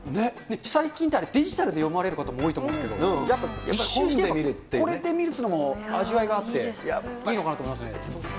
最近って、デジタルで読まれる方も多いと思うんですけど、やっぱ、これで見るっていうのも味わいがあっていいのかなと思いますね。